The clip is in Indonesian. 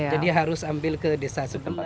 jadi harus ambil ke desa sebelah